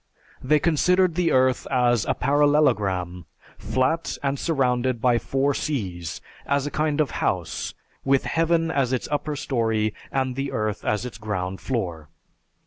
They considered the earth as a parallelogram, flat, and surrounded by four seas, as a kind of house, with heaven as its upper story and the earth as its ground floor.